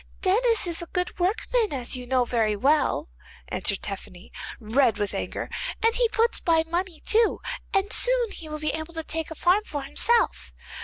'Denis is a good workman, as you know very well,' answered Tephany, red with anger, 'and he puts by money too, and soon he will be able to take a farm for himself.